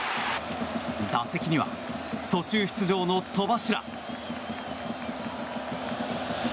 打席には途中出場の戸柱。